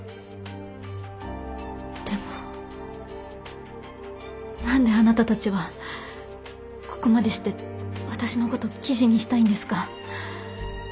でも何であなたたちはここまでして私のこと記事にしたいんですか？